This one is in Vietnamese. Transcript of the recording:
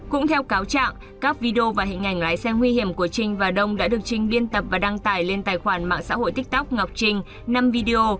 cũng theo cáo trạng các video và hình ảnh lái xe nguy hiểm của trinh và đông đã được trình biên tập và đăng tải lên tài khoản mạng xã hội tiktok ngọc trinh năm video